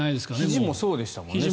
ひじもそうでしたもんね。